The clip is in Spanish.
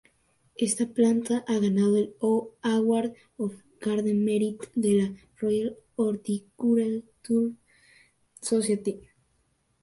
Esta planta ha ganado el Award of Garden Merit de la Royal Horticultural Society.